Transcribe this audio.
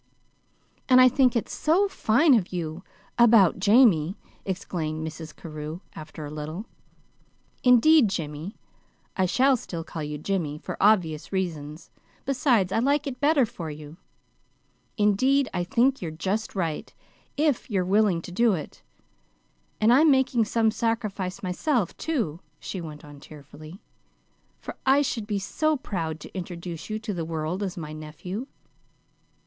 "And I think it's so fine of you about Jamie!" exclaimed Mrs. Carew, after a little. "Indeed, Jimmy (I shall still call you Jimmy, for obvious reasons; besides, I like it better, for you) indeed I think you're just right, if you're willing to do it. And I'm making some sacrifice myself, too," she went on tearfully, "for I should be so proud to introduce you to the world as my nephew."